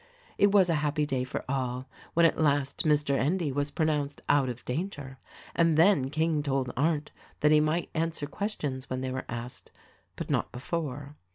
It was a happy day for all when at last Mr. Endy was pronounced out of danger ; and then King told Arndt that he might answer questions when they were asked — but not before.